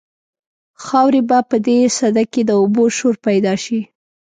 خاورې به په دې سده کې د اوبو شور پیدا شي.